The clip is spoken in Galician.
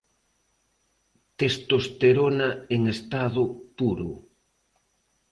Testosterona en estado puro.